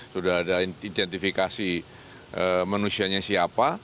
sudah ada identifikasi manusianya siapa